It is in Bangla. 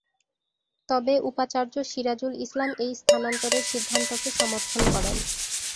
তবে উপাচার্য সিরাজুল ইসলাম এই স্থানান্তরের সিদ্ধান্তকে সমর্থন করেন।